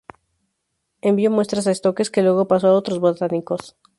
Envió muestras a Stokes, que luego pasó a otros botánicos.